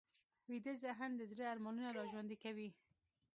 ویده ذهن د زړه ارمانونه راژوندي کوي